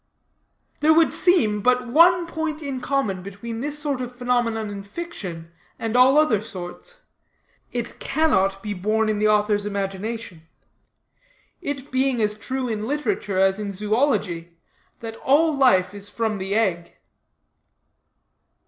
There would seem but one point in common between this sort of phenomenon in fiction and all other sorts: it cannot be born in the author's imagination it being as true in literature as in zoology, that all life is from the egg.